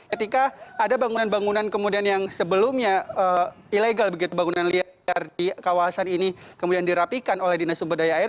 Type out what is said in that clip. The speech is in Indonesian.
ketika ada bangunan bangunan kemudian yang sebelumnya ilegal begitu bangunan liar di kawasan ini kemudian dirapikan oleh dinas sumber daya air